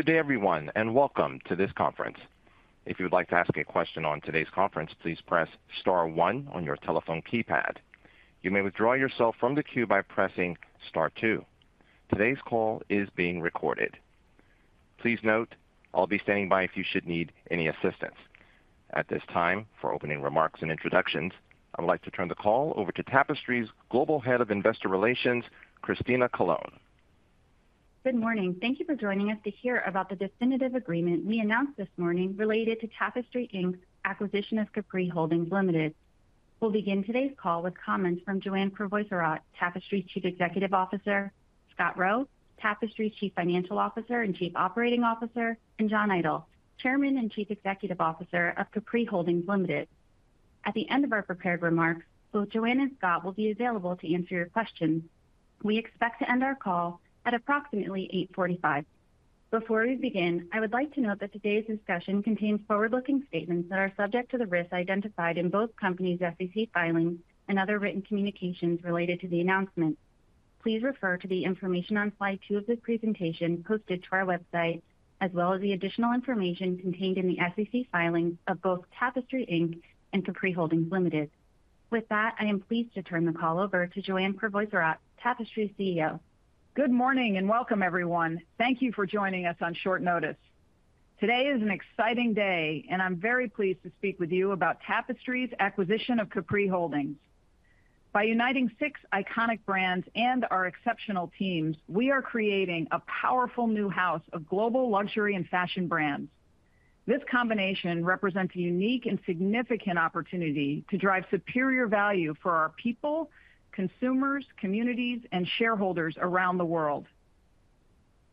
Good day, everyone, and welcome to this conference. If you would like to ask a question on today's conference, please press star one on your telephone keypad. You may withdraw yourself from the queue by pressing star two. Today's call is being recorded. Please note, I'll be standing by if you should need any assistance. At this time, for opening remarks and introductions, I would like to turn the call over to Tapestry's Global Head of Investor Relations, Christina Colone. Good morning. Thank you for joining us to hear about the definitive agreement we announced this morning related to Tapestry Inc.'s acquisition of Capri Holdings Limited. We'll begin today's call with comments from Joanne Crevoiserat, Tapestry Chief Executive Officer, Scott Roe, Tapestry Chief Financial Officer and Chief Operating Officer, and John Idol, Chairman and Chief Executive Officer of Capri Holdings Limited. At the end of our prepared remarks, both Joanne and Scott will be available to answer your questions. We expect to end our call at approximately 8:45. Before we begin, I would like to note that today's discussion contains forward-looking statements that are subject to the risks identified in both companies' SEC filings and other written communications related to the announcement. Please refer to the information on slide two of this presentation, posted to our website, as well as the additional information contained in the SEC filings of both Tapestry, Inc. and Capri Holdings Limited. With that, I am pleased to turn the call over to Joanne Crevoiserat, Tapestry's CEO. Good morning, welcome, everyone. Thank you for joining us on short notice. Today is an exciting day, I'm very pleased to speak with you about Tapestry's acquisition of Capri Holdings. By uniting six iconic brands and our exceptional teams, we are creating a powerful new house of global luxury and fashion brands. This combination represents a unique and significant opportunity to drive superior value for our people, consumers, communities, and shareholders around the world.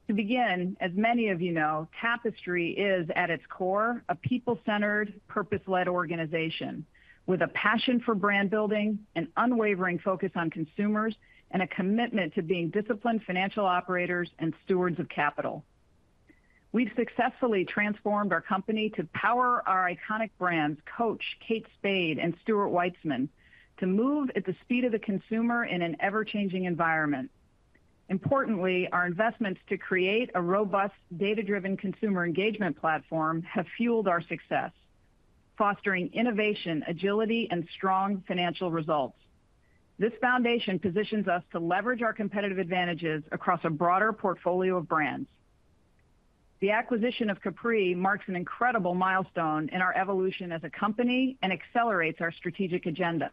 To begin, as many of you know, Tapestry is, at its core, a people-centered, purpose-led organization with a passion for brand building, an unwavering focus on consumers, and a commitment to being disciplined financial operators and stewards of capital. We've successfully transformed our company to power our iconic brands, Coach, Kate Spade, and Stuart Weitzman, to move at the speed of the consumer in an ever-changing environment. Importantly, our investments to create a robust, data-driven consumer engagement platform have fueled our success, fostering innovation, agility, and strong financial results. This foundation positions us to leverage our competitive advantages across a broader portfolio of brands. The acquisition of Capri marks an incredible milestone in our evolution as a company and accelerates our strategic agenda.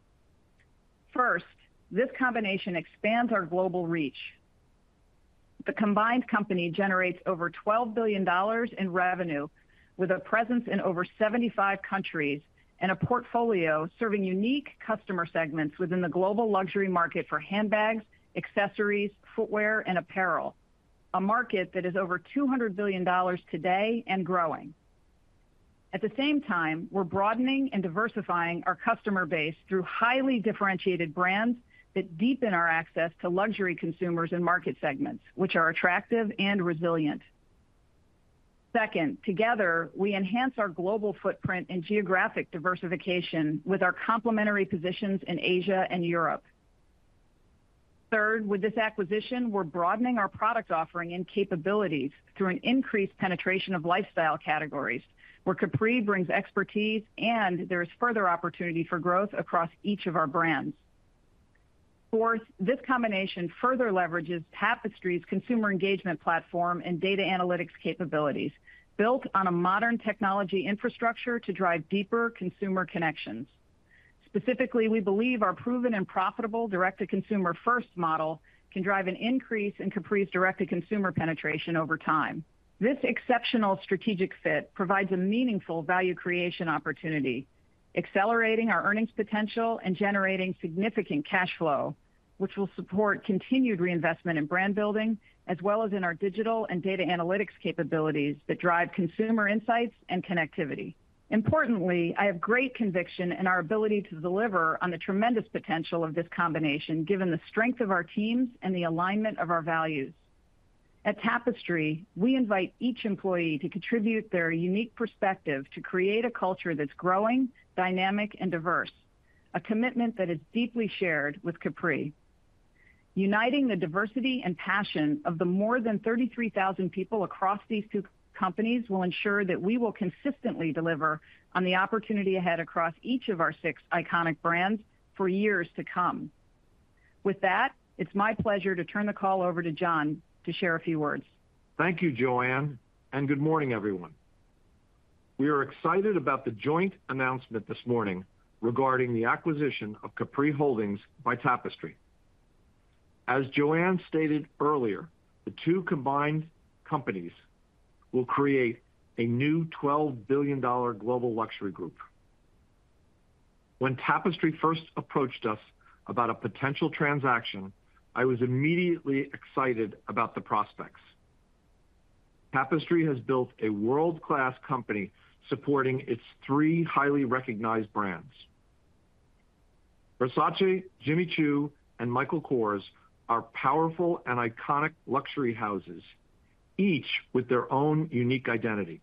First, this combination expands our global reach. The combined company generates over $12 billion in revenue, with a presence in over 75 countries and a portfolio serving unique customer segments within the global luxury market for handbags, accessories, footwear, and apparel, a market that is over $200 billion today and growing. At the same time, we're broadening and diversifying our customer base through highly differentiated brands that deepen our access to luxury consumers and market segments, which are attractive and resilient. Second, together, we enhance our global footprint and geographic diversification with our complementary positions in Asia and Europe. Third, with this acquisition, we're broadening our product offering and capabilities through an increased penetration of lifestyle categories, where Capri brings expertise and there is further opportunity for growth across each of our brands. Fourth, this combination further leverages Tapestry's consumer engagement platform and data analytics capabilities, built on a modern technology infrastructure to drive deeper consumer connections. Specifically, we believe our proven and profitable direct-to-consumer first model can drive an increase in Capri's direct-to-consumer penetration over time. This exceptional strategic fit provides a meaningful value creation opportunity, accelerating our earnings potential and generating significant cash flow, which will support continued reinvestment in brand building, as well as in our digital and data analytics capabilities that drive consumer insights and connectivity. Importantly, I have great conviction in our ability to deliver on the tremendous potential of this combination, given the strength of our teams and the alignment of our values. At Tapestry, we invite each employee to contribute their unique perspective to create a culture that's growing, dynamic, and diverse, a commitment that is deeply shared with Capri. Uniting the diversity and passion of the more than 33,000 people across these two companies will ensure that we will consistently deliver on the opportunity ahead across each of our six iconic brands for years to come. With that, it's my pleasure to turn the call over to John to share a few words. Thank you, Joanne, and good morning, everyone. We are excited about the joint announcement this morning regarding the acquisition of Capri Holdings by Tapestry. As Joanne stated earlier, the two combined companies will create a new $12 billion global luxury group. When Tapestry first approached us about a potential transaction, I was immediately excited about the prospects. Tapestry has built a world-class company supporting its three highly recognized brands. Versace, Jimmy Choo, and Michael Kors are powerful and iconic luxury houses, each with their own unique identity....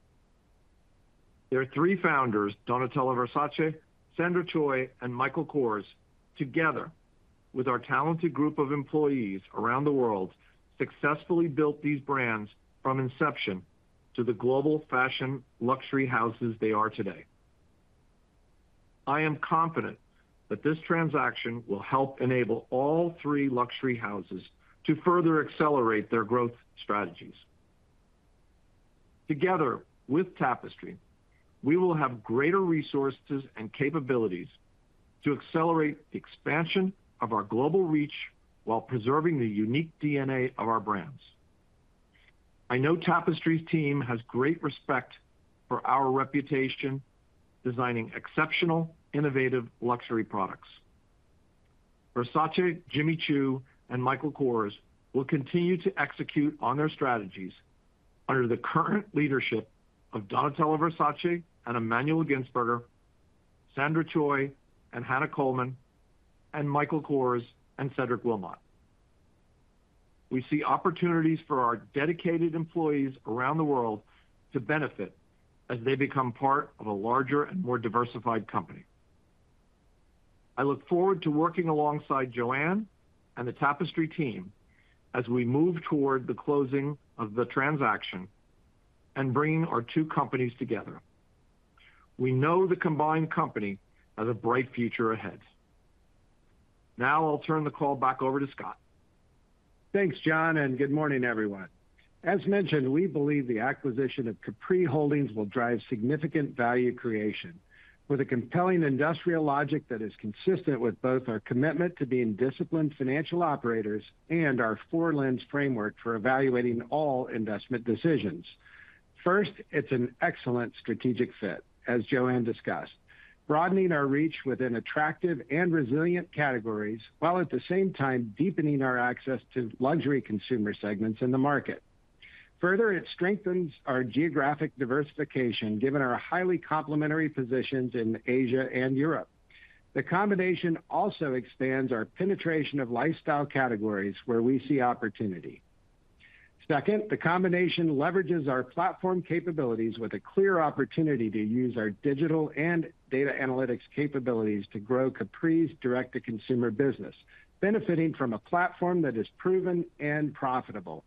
Their three founders, Donatella Versace, Sandra Choi, and Michael Kors, together with our talented group of employees around the world, successfully built these brands from inception to the global fashion luxury houses they are today. I am confident that this transaction will help enable all three luxury houses to further accelerate their growth strategies. Together, with Tapestry, we will have greater resources and capabilities to accelerate the expansion of our global reach while preserving the unique DNA of our brands. I know Tapestry's team has great respect for our reputation, designing exceptional, innovative luxury products. Versace, Jimmy Choo, and Michael Kors will continue to execute on their strategies under the current leadership of Donatella Versace and Emmanuel Gintzburger, Sandra Choi and Hannah Colman, and Michael Kors and Cedric Wilmotte. We see opportunities for our dedicated employees around the world to benefit as they become part of a larger and more diversified company. I look forward to working alongside Joanne and the Tapestry team as we move toward the closing of the transaction and bringing our two companies together. We know the combined company has a bright future ahead. Now, I'll turn the call back over to Scott. Thanks, John, and good morning, everyone. As mentioned, we believe the acquisition of Capri Holdings will drive significant value creation with a compelling industrial logic that is consistent with both our commitment to being disciplined financial operators and our four-lens framework for evaluating all investment decisions. First, it's an excellent strategic fit, as Joanne discussed. Broadening our reach within attractive and resilient categories, while at the same time, deepening our access to luxury consumer segments in the market. Further, it strengthens our geographic diversification, given our highly complementary positions in Asia and Europe. The combination also expands our penetration of lifestyle categories where we see opportunity. Second, the combination leverages our platform capabilities with a clear opportunity to use our digital and data analytics capabilities to grow Capri's direct-to-consumer business, benefiting from a platform that is proven and profitable.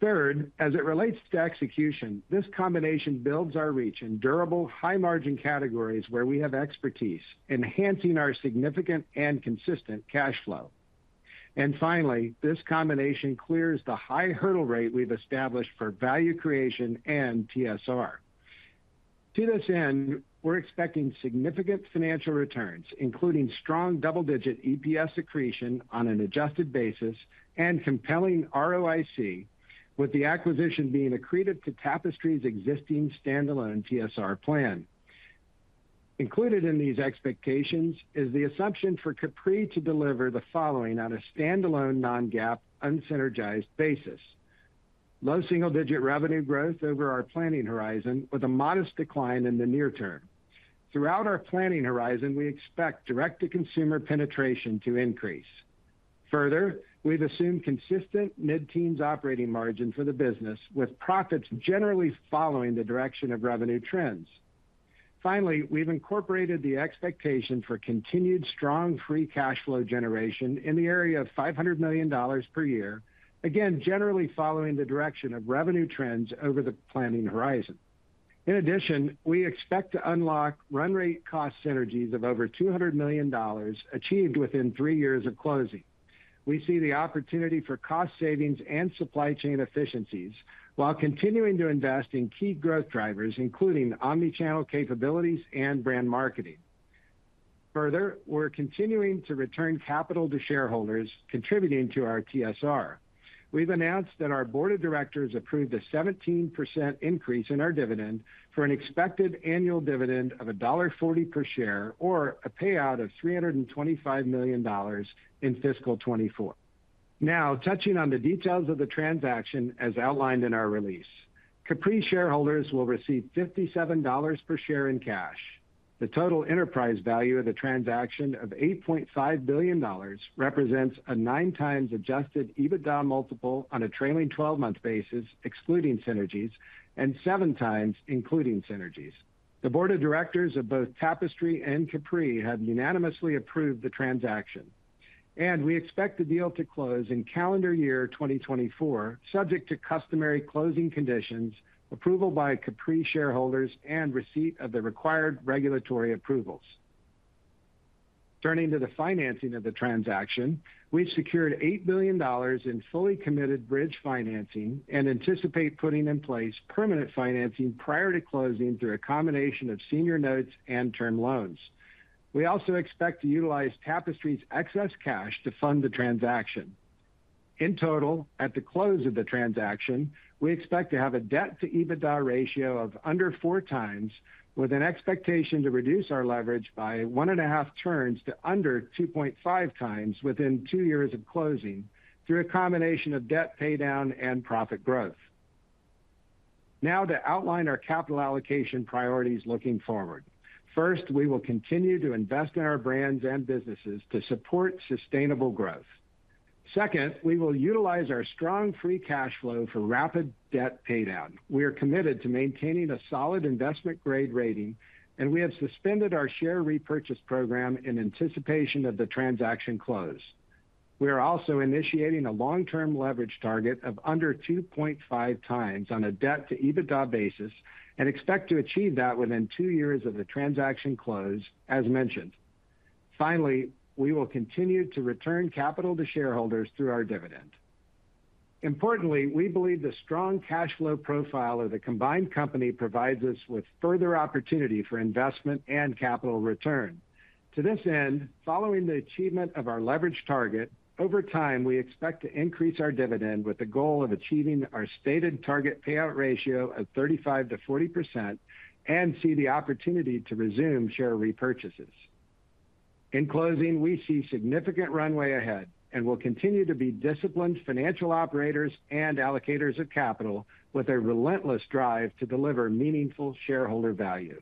Third, as it relates to execution, this combination builds our reach in durable, high-margin categories where we have expertise, enhancing our significant and consistent cash flow. Finally, this combination clears the high hurdle rate we've established for value creation and TSR. To this end, we're expecting significant financial returns, including strong double-digit EPS accretion on an adjusted basis and compelling ROIC, with the acquisition being accretive to Tapestry's existing standalone TSR plan. Included in these expectations is the assumption for Capri to deliver the following on a standalone, non-GAAP, unsynergized basis. Low single-digit revenue growth over our planning horizon, with a modest decline in the near term. Throughout our planning horizon, we expect direct-to-consumer penetration to increase. Further, we've assumed consistent mid-teens operating margin for the business, with profits generally following the direction of revenue trends. Finally, we've incorporated the expectation for continued strong free cash flow generation in the area of $500 million per year, again, generally following the direction of revenue trends over the planning horizon. In addition, we expect to unlock run rate cost synergies of over $200 million, achieved within 3 years of closing. We see the opportunity for cost savings and supply chain efficiencies while continuing to invest in key growth drivers, including omni-channel capabilities and brand marketing. Further, we're continuing to return capital to shareholders, contributing to our TSR. We've announced that our board of directors approved a 17% increase in our dividend for an expected annual dividend of $1.40 per share or a payout of $325 million in fiscal 2024. Now, touching on the details of the transaction as outlined in our release. Capri shareholders will receive $57 per share in cash. The total enterprise value of the transaction of $8.5 billion represents a 9x Adjusted EBITDA multiple on a trailing twelve-month basis, excluding synergies, and 7x, including synergies. The board of directors of both Tapestry and Capri have unanimously approved the transaction, and we expect the deal to close in calendar year 2024, subject to customary closing conditions, approval by Capri shareholders, and receipt of the required regulatory approvals. Turning to the financing of the transaction, we've secured $8 billion in fully committed bridge financing and anticipate putting in place permanent financing prior to closing through a combination of senior notes and term loans. We also expect to utilize Tapestry's excess cash to fund the transaction. In total, at the close of the transaction, we expect to have a debt-to-EBITDA ratio of under 4 times, with an expectation to reduce our leverage by 1.5 turns to under 2.5 times within 2 years of closing, through a combination of debt paydown and profit growth. To outline our capital allocation priorities looking forward. First, we will continue to invest in our brands and businesses to support sustainable growth. Second, we will utilize our strong free cash flow for rapid debt paydown. We are committed to maintaining a solid investment grade rating, and we have suspended our share repurchase program in anticipation of the transaction close. We are also initiating a long-term leverage target of under 2.5 times on a debt-to-EBITDA basis, and expect to achieve that within 2 years of the transaction close, as mentioned. Finally, we will continue to return capital to shareholders through our dividend. Importantly, we believe the strong cash flow profile of the combined company provides us with further opportunity for investment and capital return. To this end, following the achievement of our leverage target, over time, we expect to increase our dividend with the goal of achieving our stated target payout ratio of 35%-40% and see the opportunity to resume share repurchases. In closing, we see significant runway ahead and will continue to be disciplined financial operators and allocators of capital with a relentless drive to deliver meaningful shareholder value.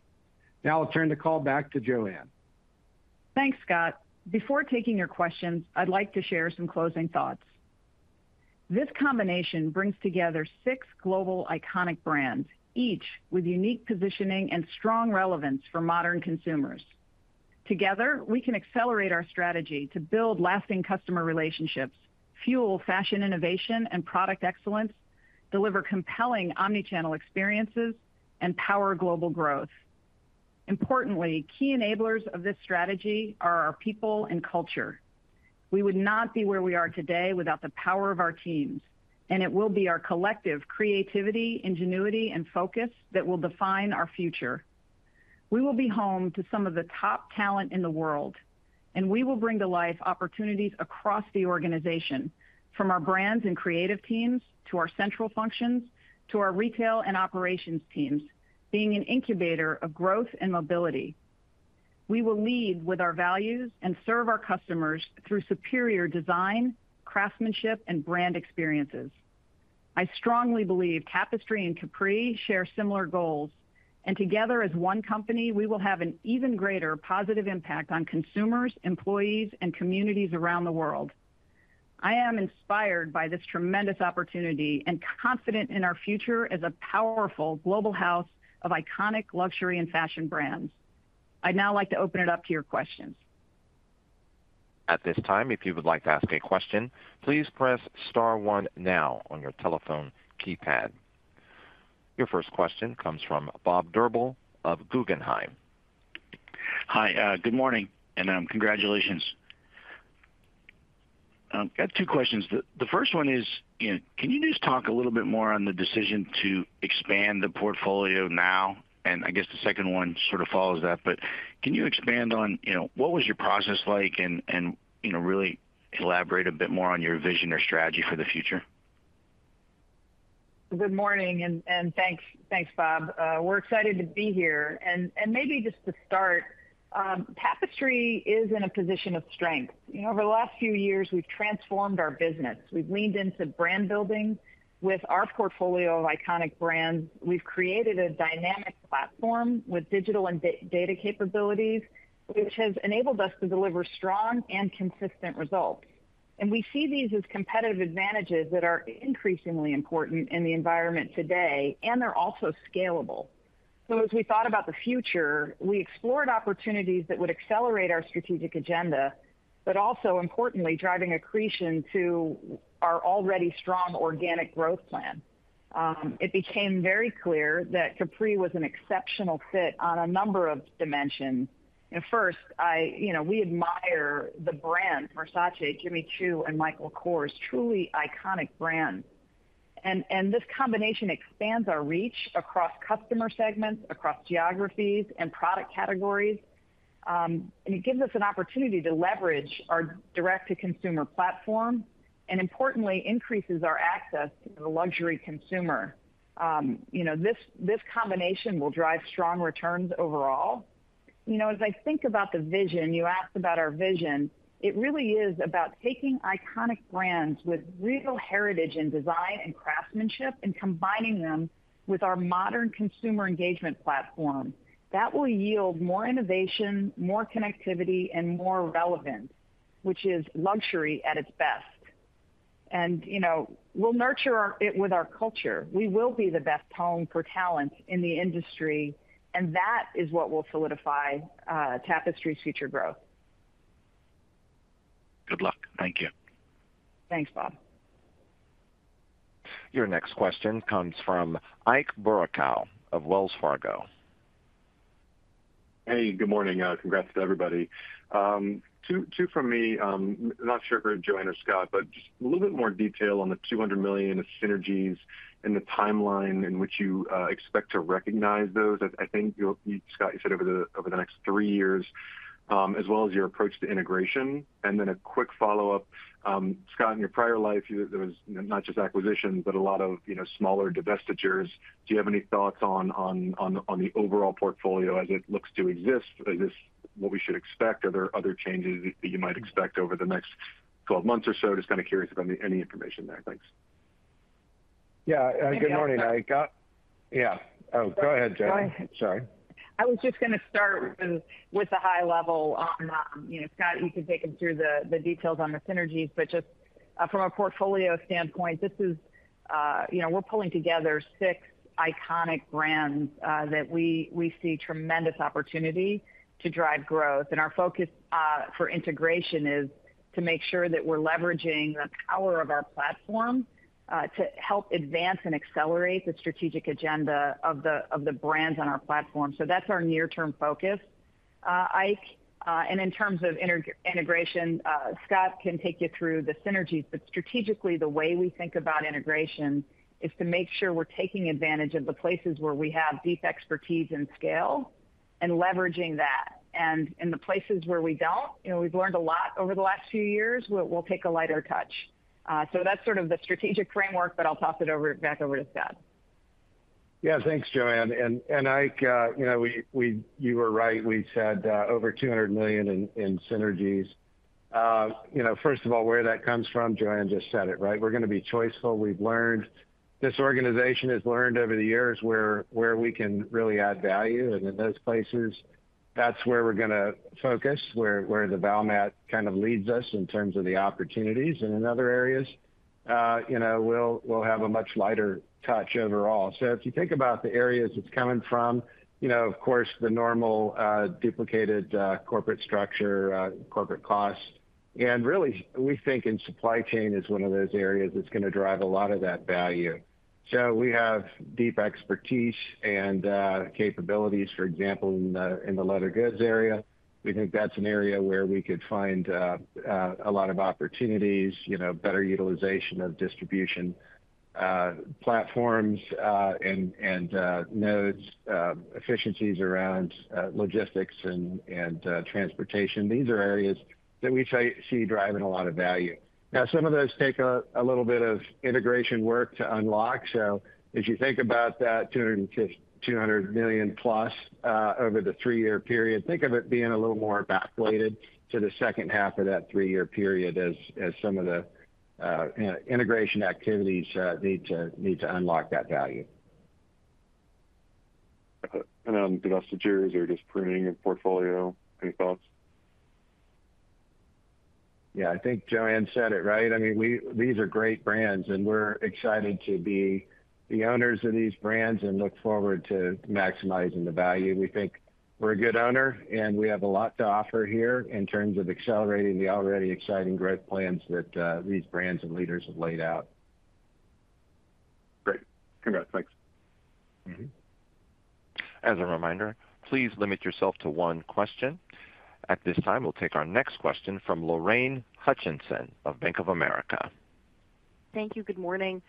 Now I'll turn the call back to Joanne. Thanks, Scott. Before taking your questions, I'd like to share some closing thoughts. This combination brings together six global iconic brands, each with unique positioning and strong relevance for modern consumers. Together, we can accelerate our strategy to build lasting customer relationships, fuel fashion, innovation, and product excellence, deliver compelling omni-channel experiences and power global growth. Importantly, key enablers of this strategy are our people and culture. We would not be where we are today without the power of our teams, and it will be our collective creativity, ingenuity, and focus that will define our future. We will be home to some of the top talent in the world, and we will bring to life opportunities across the organization, from our brands and creative teams, to our central functions, to our retail and operations teams, being an incubator of growth and mobility. We will lead with our values and serve our customers through superior design, craftsmanship, and brand experiences. I strongly believe Tapestry and Capri share similar goals, and together as one company, we will have an even greater positive impact on consumers, employees, and communities around the world. I am inspired by this tremendous opportunity and confident in our future as a powerful global house of iconic luxury and fashion brands. I'd now like to open it up to your questions. At this time, if you would like to ask a question, please press star one now on your telephone keypad. Your first question comes from Robert Drbul of Guggenheim. Hi, good morning, and congratulations. Got 2 questions. The first one is, you know, can you just talk a little bit more on the decision to expand the portfolio now? I guess the second one sort of follows that, but can you expand on, you know, what was your process like and, you know, really elaborate a bit more on your vision or strategy for the future? Good morning. Thanks. Thanks, Bob. We're excited to be here. Maybe just to start, Tapestry is in a position of strength. You know, over the last few years, we've transformed our business. We've leaned into brand building with our portfolio of iconic brands. We've created a dynamic platform with digital and data capabilities, which has enabled us to deliver strong and consistent results. We see these as competitive advantages that are increasingly important in the environment today, and they're also scalable. As we thought about the future, we explored opportunities that would accelerate our strategic agenda, but also importantly, driving accretion to our already strong organic growth plan. It became very clear that Capri was an exceptional fit on a number of dimensions. First, I... You know, we admire the brand, Versace, Jimmy Choo, and Michael Kors, truly iconic brands. This combination expands our reach across customer segments, across geographies and product categories, and it gives us an opportunity to leverage our direct-to-consumer platform and importantly, increases our access to the luxury consumer. You know, this combination will drive strong returns overall. You know, as I think about the vision, you asked about our vision, it really is about taking iconic brands with real heritage in design and craftsmanship, and combining them with our modern consumer engagement platform. That will yield more innovation, more connectivity, and more relevance, which is luxury at its best. You know, we'll nurture it with our culture. We will be the best home for talent in the industry, and that is what will solidify Tapestry's future growth. Good luck. Thank you. Thanks, Bob. Your next question comes from Ike Boruchow of Wells Fargo. Hey, good morning. Congrats to everybody. 2, 2 from me. Not sure if for Joanne or Scott, but just a little bit more detail on the $200 million of synergies and the timeline in which you expect to recognize those. I think you'll, Scott, you said over the next 3 years, as well as your approach to integration. A quick follow-up. Scott, in your prior life, there was not just acquisitions, but a lot of, you know, smaller divestitures. Do you have any thoughts on the overall portfolio as it looks to exist? Is this what we should expect? Are there other changes that you might expect over the next 12 months or so? Just kind of curious about any information there. Thanks. Yeah, good morning, Ike. Yeah. Oh, go ahead, Joanne. Sorry. I was just going to start with the high level on, you know, Scott, you can take them through the details on the synergies, but just from a portfolio standpoint, this is. You know, we're pulling together six iconic brands that we see tremendous opportunity to drive growth. Our focus for integration is to make sure that we're leveraging the power of our platform to help advance and accelerate the strategic agenda of the brands on our platform. That's our near-term focus. Ike, in terms of integration, Scott can take you through the synergies, but strategically, the way we think about integration is to make sure we're taking advantage of the places where we have deep expertise and scale and leveraging that. In the places where we don't, you know, we've learned a lot over the last few years, we'll, we'll take a lighter touch. That's sort of the strategic framework, but I'll toss it over-- back over to Scott. Yeah, thanks, Joanne. Ike, you know, we, we-- you were right. We've said, over $200 million in, in synergies. You know, first of all, where that comes from, Joanne just said it, right? We're going to be choiceful. We've learned-- This organization has learned over the years where, where we can really add value, and in those places, that's where we're going to focus, where, where the Valmet kind of leads us in terms of the opportunities. In other areas, you know, we'll, we'll have a much lighter touch overall. If you think about the areas it's coming from, you know, of course, the normal, duplicated, corporate structure, corporate costs. Really, we think in supply chain is one of those areas that's going to drive a lot of that value. We have deep expertise and capabilities, for example, in the leather goods area. We think that's an area where we could find a lot of opportunities, you know, better utilization of distribution platforms and nodes, efficiencies around logistics and transportation. These are areas that we see driving a lot of value. Now, some of those take a little bit of integration work to unlock. As you think about that $200+ million over the three-year period, think of it being a little more backloaded to the second half of that three-year period as some of the integration activities need to unlock that value. On the rest of yours are just pruning your portfolio. Any thoughts? Yeah, I think Joanne said it, right? I mean, these are great brands, and we're excited to be the owners of these brands and look forward to maximizing the value. We think we're a good owner, and we have a lot to offer here in terms of accelerating the already exciting growth plans that these brands and leaders have laid out. Great. Congrats. Thanks. Mm-hmm. As a reminder, please limit yourself to one question. At this time, we'll take our next question from Lorraine Hutchinson of Bank of America. Thank you. Good morning.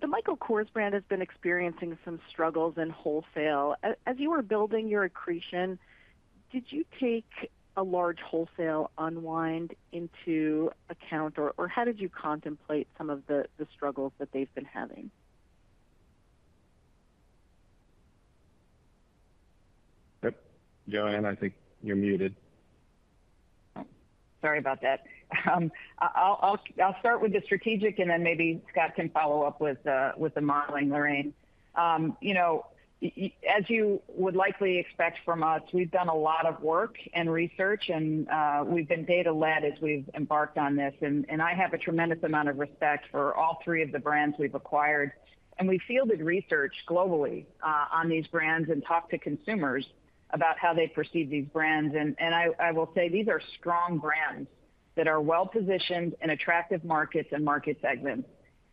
The Michael Kors brand has been experiencing some struggles in wholesale. As you were building your accretion, did you take a large wholesale unwind into account? How did you contemplate some of the struggles that they've been having? Yep. Joanne, I think you're muted. Sorry about that. I'll, I'll, I'll start with the strategic, and then maybe Scott can follow up with the, with the modeling, Lorraine. You know, y- as you would likely expect from us, we've done a lot of work and research, and we've been data-led as we've embarked on this. And I have a tremendous amount of respect for all three of the brands we've acquired. We fielded research globally on these brands and talked to consumers about how they perceive these brands. And I, I will say these are strong brands that are well-positioned in attractive markets and market segments,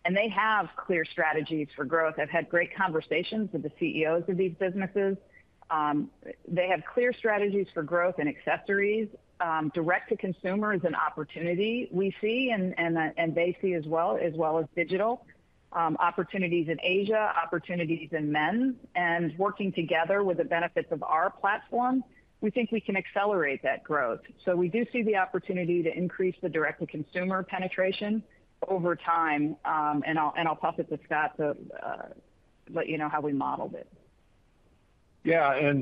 and they have clear strategies for growth. I've had great conversations with the CEOs of these businesses. They have clear strategies for growth and accessories. Direct-to-consumer is an opportunity we see and they see as well, as well as digital. Opportunities in Asia, opportunities in men, and working together with the benefits of our platform, we think we can accelerate that growth. We do see the opportunity to increase the direct-to-consumer penetration over time. I'll toss it to Scott to let you know how we modeled it. Yeah,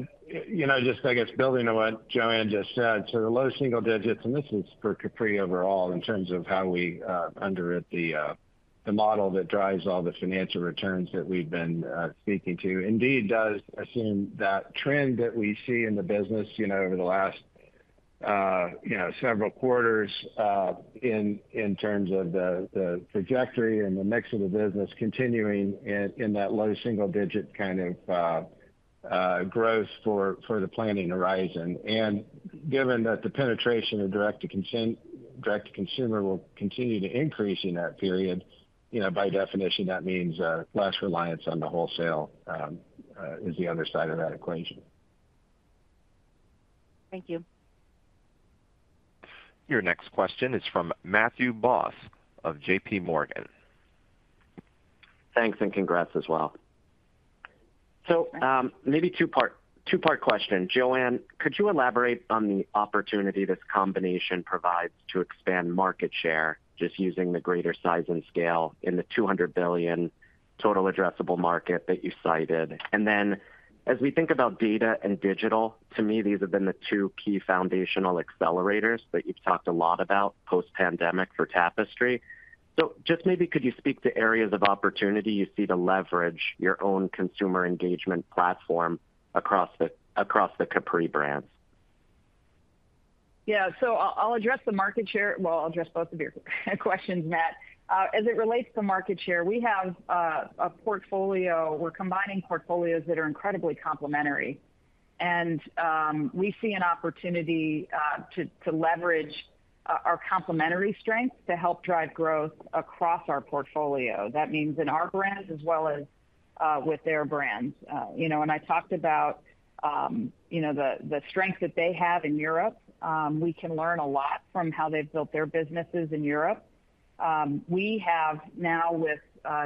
you know, just, I guess, building on what Joanne just said, so the low single digits, and this is for Capri overall, in terms of how we underwrite the the model that drives all the financial returns that we've been speaking to, indeed, does assume that trend that we see in the business, you know, over the last, you know, several quarters, in in terms of the the trajectory and the mix of the business continuing in in that low single digit kind of growth for for the planning horizon. Given that the penetration of direct-to-consumer will continue to increase in that period, you know, by definition, that means less reliance on the wholesale is the other side of that equation. Thank you. Your next question is from Matthew Boss of J.P. Morgan. Thanks, and congrats as well. maybe two-part question. Joanne, could you elaborate on the opportunity this combination provides to expand market share, just using the greater size and scale in the $200 billion Total Addressable Market that you cited? as we think about data and digital, to me, these have been the two key foundational accelerators that you've talked a lot about post-pandemic for Tapestry. just maybe could you speak to areas of opportunity you see to leverage your own consumer engagement platform across the Capri brands? Yeah. I'll, I'll address the market share. Well, I'll address both of your questions, Matt. As it relates to market share, we have a portfolio, we're combining portfolios that are incredibly complementary. We see an opportunity to leverage our complementary strengths to help drive growth across our portfolio. That means in our brands as well as with their brands. You know, when I talked about, you know, the strength that they have in Europe, we can learn a lot from how they've built their businesses in Europe. We have now, with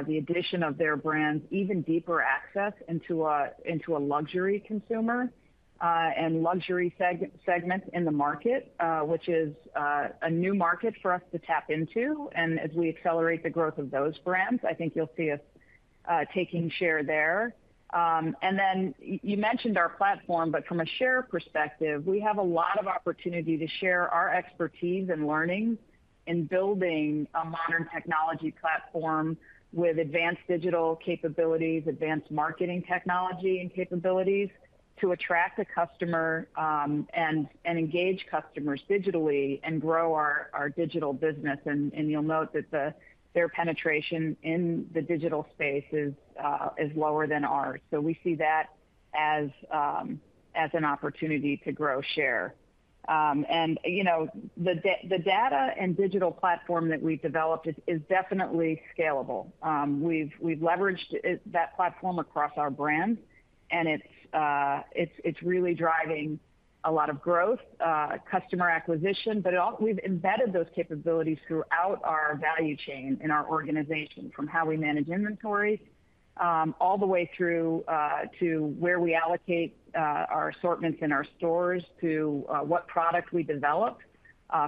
the addition of their brands, even deeper access into a, into a luxury consumer, and luxury seg-segment in the market, which is a new market for us to tap into. As we accelerate the growth of those brands, I think you'll see us taking share there. You mentioned our platform, but from a share perspective, we have a lot of opportunity to share our expertise and learnings in building a modern technology platform with advanced digital capabilities, advanced marketing technology and capabilities to attract a customer and engage customers digitally and grow our digital business. You'll note that their penetration in the digital space is lower than ours. We see that as an opportunity to grow share. You know, the data and digital platform that we developed is definitely scalable. We've leveraged that platform across our brands, and it's, it's really driving a lot of growth, customer acquisition. It also, we've embedded those capabilities throughout our value chain in our organization, from how we manage inventories, all the way through to where we allocate our assortments in our stores, to what product we develop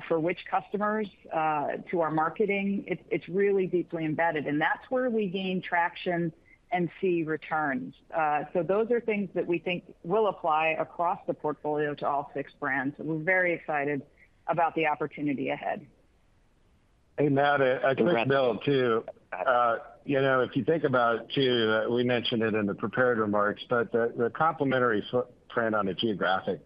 for which customers, to our marketing. It's, it's really deeply embedded, and that's where we gain traction and see returns. So those are things that we think will apply across the portfolio to all six brands, and we're very excited about the opportunity ahead. Hey, Matt, congrats to Bill, too. You know, if you think about it, too, that we mentioned it in the prepared remarks, but the complementary footprint on a geographic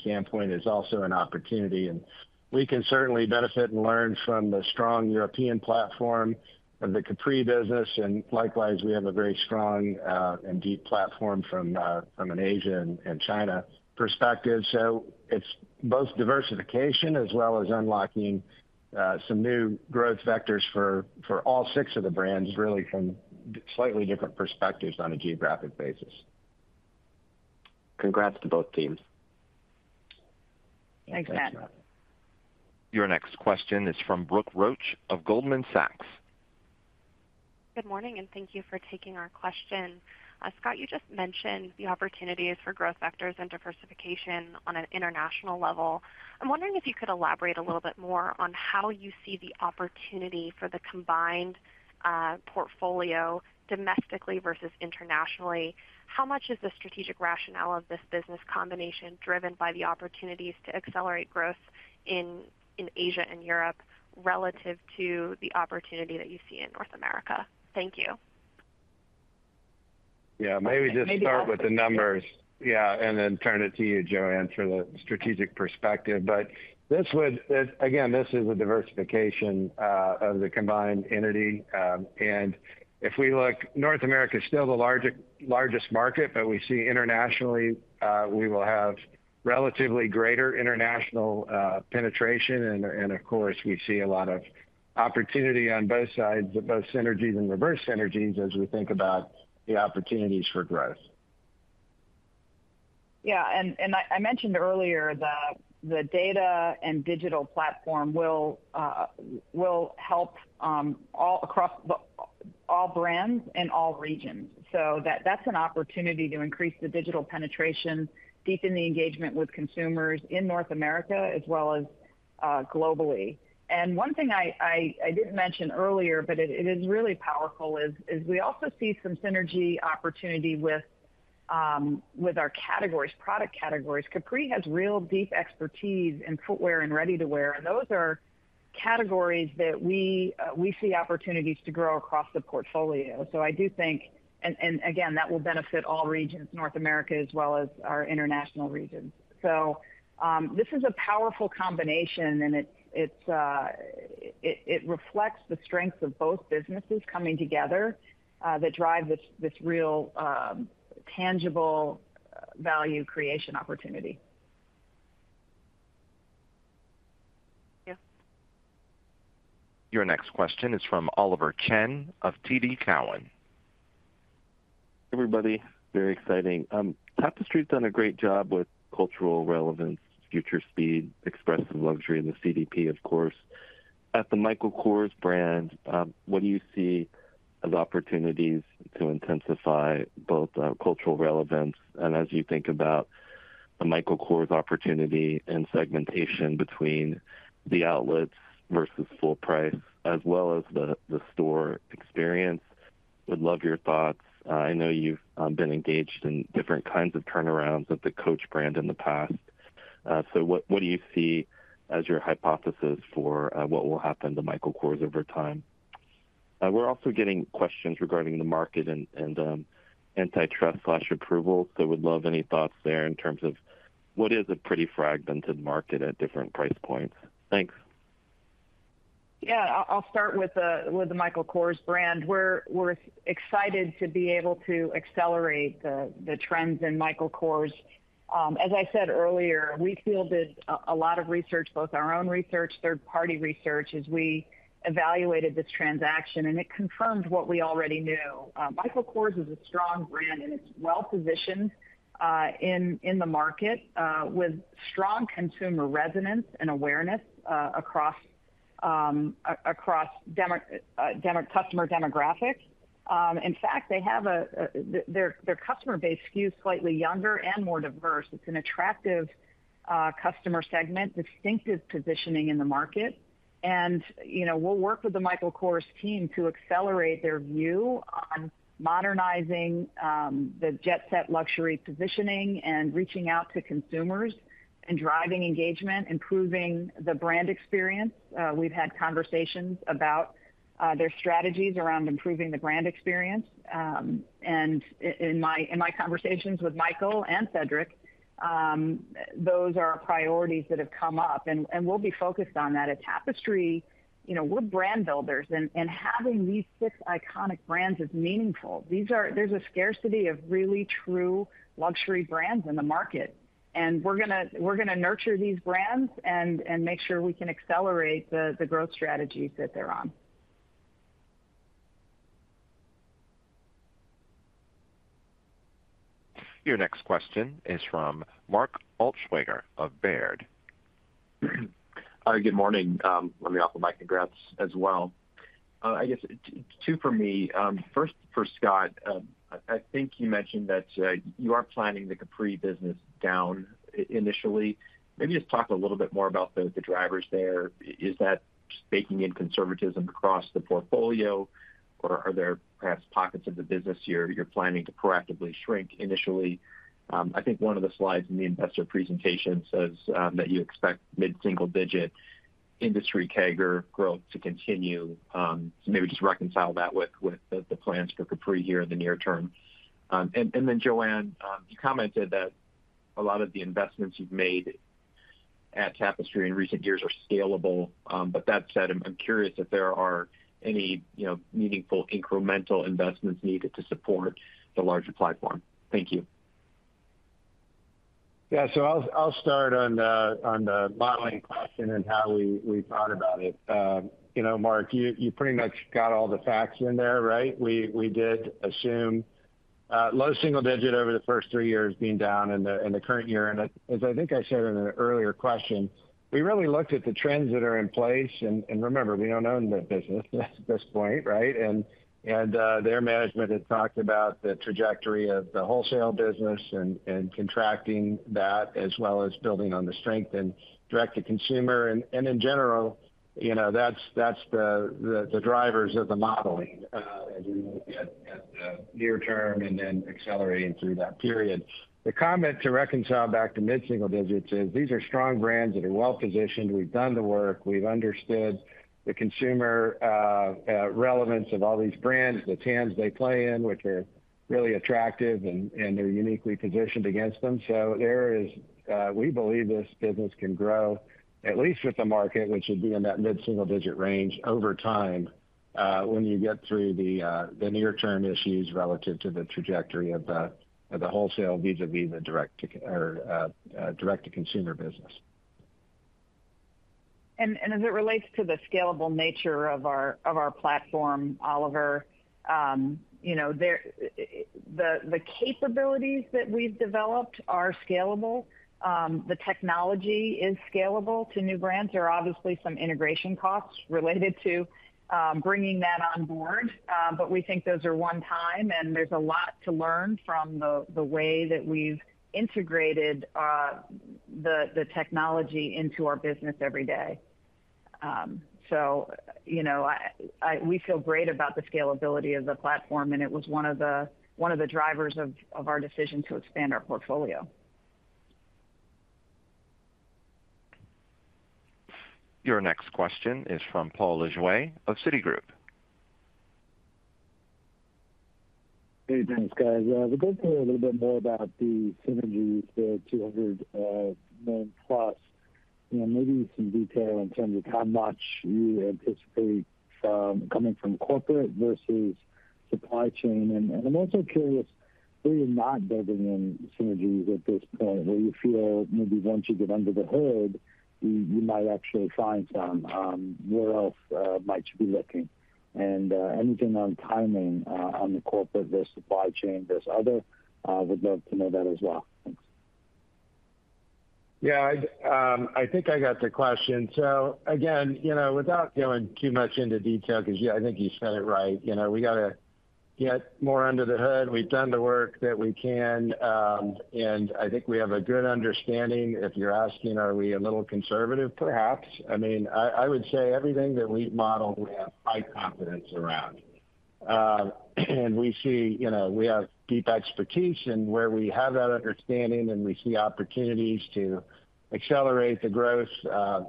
standpoint is also an opportunity, and we can certainly benefit and learn from the strong European platform of the Capri business. Likewise, we have a very strong and deep platform from an Asia and China perspective. It's both diversification as well as unlocking some new growth vectors for all six of the brands, really, from slightly different perspectives on a geographic basis. Congrats to both teams. Thanks, Matt. Thanks, Matt. Your next question is from Brooke Roach of Goldman Sachs. Good morning, thank you for taking our question. Scott, you just mentioned the opportunities for growth vectors and diversification on an international level. I'm wondering if you could elaborate a little bit more on how you see the opportunity for the combined portfolio domestically versus internationally. How much is the strategic rationale of this business combination driven by the opportunities to accelerate growth in, in Asia and Europe relative to the opportunity that you see in North America? Thank you. Yeah, maybe just start with the numbers. Yeah, and then turn it to you, Joanne, for the strategic perspective. This would again, this is a diversification of the combined entity. If we look, North America is still the largest market, but we see internationally, we will have relatively greater international penetration. Of course, we see a lot of opportunity on both sides, both synergies and reverse synergies, as we think about the opportunities for growth. Yeah, I mentioned earlier that the data and digital platform will help all across all brands and all regions. That's an opportunity to increase the digital penetration, deepen the engagement with consumers in North America as well as globally. One thing I didn't mention earlier, but it is really powerful, is we also see some synergy opportunity with our categories, product categories. Capri has real deep expertise in footwear and ready-to-wear, and those are categories that we see opportunities to grow across the portfolio. I do think. Again, that will benefit all regions, North America, as well as our international regions. This is a powerful combination, and it, it's, it, it reflects the strengths of both businesses coming together, that drive this, this real, tangible value creation opportunity. Yeah. Your next question is from Oliver Chen of TD Cowen. Everybody, very exciting. Tapestry's done a great job with cultural relevance, future speed, expressive luxury, and the CDP, of course. At the Michael Kors brand, what do you see as opportunities to intensify both cultural relevance and as you think about the Michael Kors opportunity and segmentation between the outlets versus full price, as well as the store experience? Would love your thoughts. I know you've been engaged in different kinds of turnarounds with the Coach brand in the past. ... so what, what do you see as your hypothesis for, what will happen to Michael Kors over time? We're also getting questions regarding the market and, and antitrust slash approvals, so would love any thoughts there in terms of what is a pretty fragmented market at different price points. Thanks. Yeah, I'll start with the Michael Kors brand. We're excited to be able to accelerate the trends in Michael Kors. As I said earlier, we fielded a lot of research, both our own research, third-party research, as we evaluated this transaction, and it confirmed what we already knew. Michael Kors is a strong brand, and it's well-positioned in the market, with strong consumer resonance and awareness across customer demographics. In fact, their customer base skews slightly younger and more diverse. It's an attractive customer segment, distinctive positioning in the market. You know, we'll work with the Michael Kors team to accelerate their view on modernizing the jet set luxury positioning and reaching out to consumers and driving engagement, improving the brand experience. We've had conversations about their strategies around improving the brand experience. In my conversations with Michael and Cedric, those are priorities that have come up, and we'll be focused on that. At Tapestry, you know, we're brand builders, and having these six iconic brands is meaningful. There's a scarcity of really true luxury brands in the market, and we're gonna nurture these brands and make sure we can accelerate the growth strategies that they're on. Your next question is from Mark Altschwager of Baird. Good morning, let me offer my congrats as well. I guess 2 for me. First for Scott, I think you mentioned that you are planning the Capri business down initially. Maybe just talk a little bit more about the drivers there. Is that baking in conservatism across the portfolio, or are there perhaps pockets of the business you're planning to proactively shrink initially? I think one of the slides in the investor presentation says that you expect mid-single-digit industry CAGR growth to continue. Maybe just reconcile that with the plans for Capri here in the near term. Joanne, you commented that a lot of the investments you've made at Tapestry in recent years are scalable. That said, I'm curious if there are any, you know, meaningful incremental investments needed to support the larger platform. Thank you. Yeah, I'll, I'll start on the, on the modeling question and how we, we thought about it. You know, Mark, you, you pretty much got all the facts in there, right? We, we did assume low single digit over the first 3 years being down in the, in the current year. As I think I said in an earlier question, we really looked at the trends that are in place, and, and remember, we don't own the business at this point, right? And, their management has talked about the trajectory of the wholesale business and, and contracting that, as well as building on the strength and direct-to-consumer. And in general, you know, that's, that's the, the, the drivers of the modeling as we look at, at the near term and then accelerating through that period. The comment to reconcile back to mid-single digits is these are strong brands that are well-positioned. We've done the work. We've understood the consumer relevance of all these brands, the TAMs they play in, which are really attractive, and, and they're uniquely positioned against them. There is, we believe this business can grow, at least with the market, which would be in that mid-single-digit range over time, when you get through the near-term issues relative to the trajectory of the, of the wholesale vis-a-vis the direct-to-consumer business. As it relates to the scalable nature of our, of our platform, Oliver, you know, there the capabilities that we've developed are scalable. The technology is scalable to new brands. There are obviously some integration costs related to bringing that on board, but we think those are one time, and there's a lot to learn from the way that we've integrated the technology into our business every day. You know, I, I, we feel great about the scalability of the platform, and it was one of the, one of the drivers of our decision to expand our portfolio. Your next question is from Paul Lejuez of Citigroup. Hey, thanks, guys. We've heard a little bit more about the synergies, the $200 million+. You know, maybe some detail in terms of how much you anticipate coming from corporate versus supply chain. I'm also curious, where you're not building any synergies at this point, where you feel maybe once you get under the hood, you, you might actually find some, where else might you be looking? Anything on timing on the corporate versus supply chain versus other, would love to know that as well. Thanks. Yeah, I'd, I think I got the question. Again, you know, without going too much into detail, because, yeah, I think you said it right. You know, we got to get more under the hood. We've done the work that we can, and I think we have a good understanding. If you're asking, are we a little conservative? Perhaps. I mean, I would say everything that we've modeled, we have high confidence around. And we see, you know, we have deep expertise in where we have that understanding, and we see opportunities to accelerate the growth,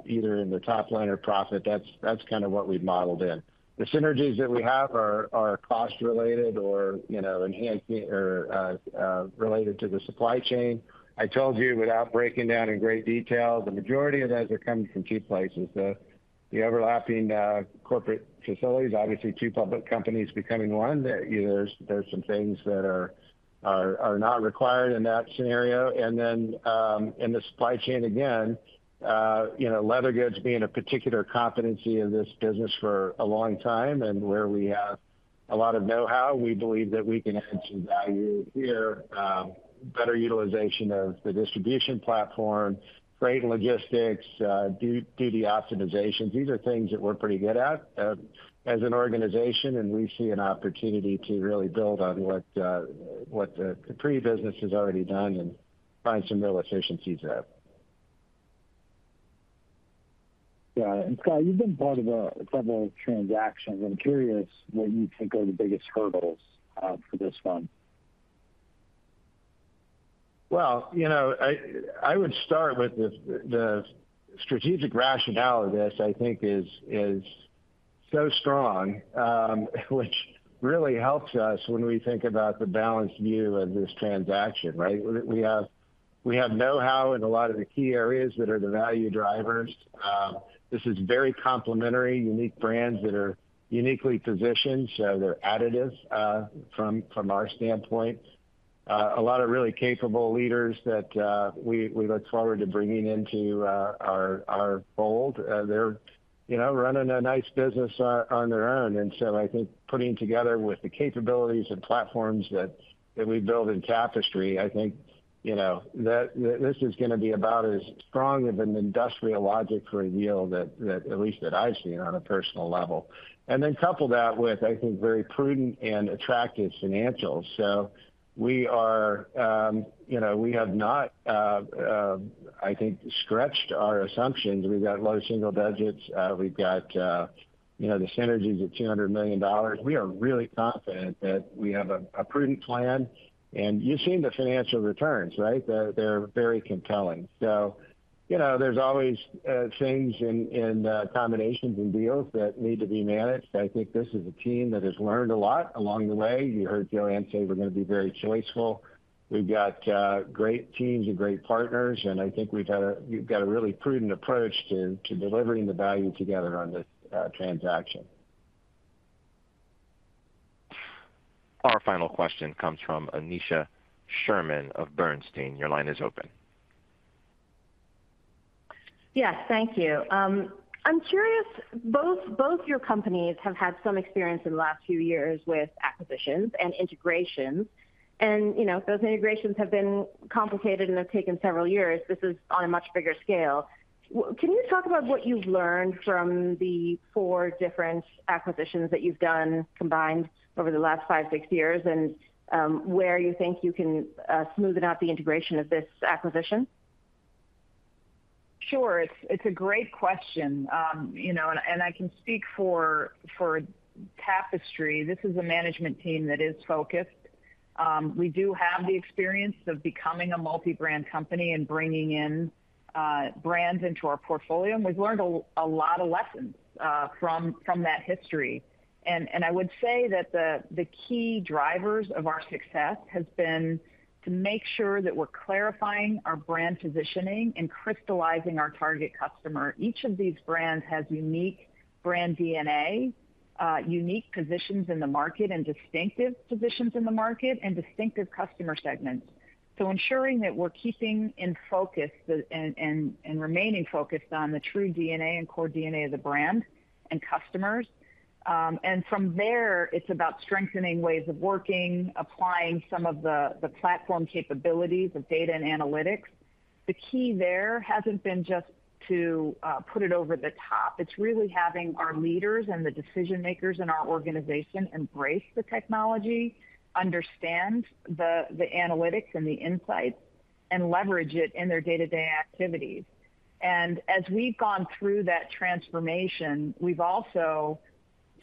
either in the top line or profit. That's kind of what we've modeled in. The synergies that we have are, are cost related or, you know, enhancing or, related to the supply chain. I told you, without breaking down in great detail, the majority of those are coming from two places, the, the overlapping corporate facilities. Obviously, two public companies becoming one, there, you know, there's, there's some things that are, are, are not required in that scenario. Then, in the supply chain, again, you know, leather goods being a particular competency in this business for a long time, and where we have a lot of know-how, we believe that we can add some value here. Better utilization of the distribution platform, freight and logistics, duty optimization. These are things that we're pretty good at, as an organization, and we see an opportunity to really build on what, what the Capri business has already done and find some real efficiencies there. Got it. Scott, you've been part of a couple of transactions. I'm curious what you think are the biggest hurdles for this one? Well, you know, I, I would start with the, the strategic rationale of this, I think is, is so strong, which really helps us when we think about the balanced view of this transaction, right? We, we have, we have know-how in a lot of the key areas that are the value drivers. This is very complementary, unique brands that are uniquely positioned, so they're additive, from, from our standpoint. A lot of really capable leaders that, we, we look forward to bringing into, our, our fold. They're, you know, running a nice business on, on their own. I think putting together with the capabilities and platforms that, that we build in Tapestry, I think, you know, that this is gonna be about as strong of an industrial logic for a deal that, that at least that I've seen on a personal level. Couple that with, I think, very prudent and attractive financials. We are, you know, we have not, I think, stretched our assumptions. We've got a lot of single digits. We've got, you know, the synergies of $200 million. We are really confident that we have a, a prudent plan, and you've seen the financial returns, right? They're, they're very compelling. You know, there's always things in, in combinations and deals that need to be managed. I think this is a team that has learned a lot along the way. You heard Joanne say we're gonna be very choiceful. We've got, great teams and great partners, and I think we've got a really prudent approach to, to delivering the value together on this, transaction. Our final question comes from Aneesha Sherman of Bernstein. Your line is open. Yes, thank you. I'm curious, both, both your companies have had some experience in the last few years with acquisitions and integrations, and, you know, those integrations have been complicated and have taken several years. This is on a much bigger scale. Can you talk about what you've learned from the four different acquisitions that you've done combined over the last five, six years, and where you think you can smoothen out the integration of this acquisition? Sure. It's, it's a great question. You know, I can speak for Tapestry. This is a management team that is focused. We do have the experience of becoming a multi-brand company and bringing in brands into our portfolio, we've learned a lot of lessons from that history. I would say that the key drivers of our success has been to make sure that we're clarifying our brand positioning and crystallizing our target customer. Each of these brands has unique brand DNA, unique positions in the market, and distinctive positions in the market, and distinctive customer segments. Ensuring that we're keeping in focus the true DNA and core DNA of the brand and customers. From there, it's about strengthening ways of working, applying some of the, the platform capabilities of data and analytics. The key there hasn't been just to put it over the top. It's really having our leaders and the decision makers in our organization embrace the technology, understand the, the analytics and the insights, and leverage it in their day-to-day activities. As we've gone through that transformation, we've also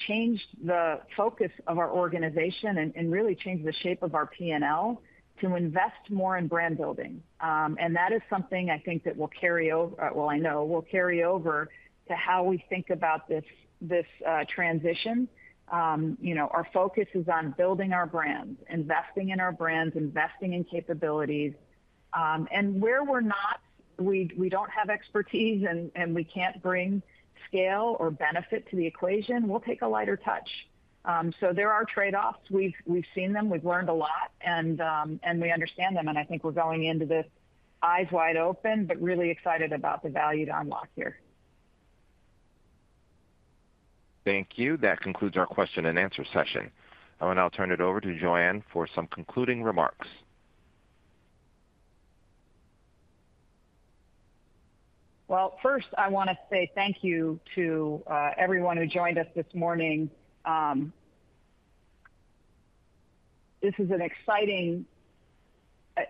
changed the focus of our organization and, and really changed the shape of our PNL to invest more in brand building. That is something I think that will carry over, well, I know will carry over to how we think about this, this transition. you know, our focus is on building our brands, investing in our brands, investing in capabilities, and where we're not, we, we don't have expertise and, and we can't bring scale or benefit to the equation, we'll take a lighter touch. There are trade-offs. We've, we've seen them, we've learned a lot, and, and we understand them, and I think we're going into this eyes wide open, but really excited about the value to unlock here. Thank you. That concludes our question and answer session. I will now turn it over to Joanne for some concluding remarks. Well, first, I wanna say thank you to everyone who joined us this morning. This is an exciting,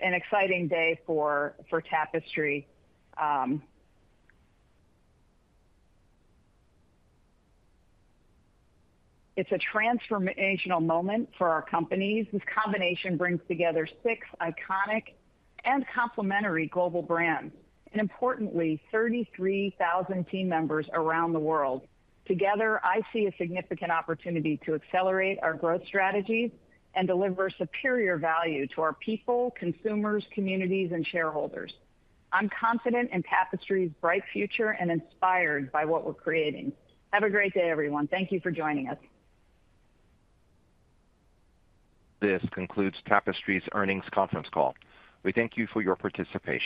an exciting day for Tapestry. It's a transformational moment for our companies. This combination brings together six iconic and complementary global brands, and importantly, 33,000 team members around the world. Together, I see a significant opportunity to accelerate our growth strategies and deliver superior value to our people, consumers, communities, and shareholders. I'm confident in Tapestry's bright future and inspired by what we're creating. Have a great day, everyone. Thank you for joining us. This concludes Tapestry's earnings conference call. We thank you for your participation.